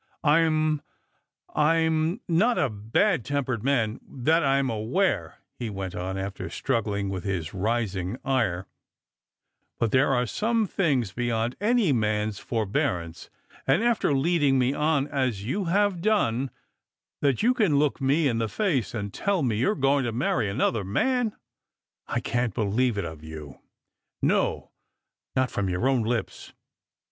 " I'm — I'm not a bad tempered man, that I'm aware," he went on, after struggling with his i ising ire; "but there are some things beyond any a.aa s lorbearar*ce ; and after leading me on aa 3'ou have dona— 186 Strangers and Pilgrims. that you can look me in the face and tell me you're going tu marry another man ! I won't believe it of you ; no, not from your own lips.